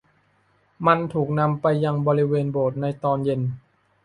มันถูกนำไปยังบริเวณโบสถ์ในตอนเย็น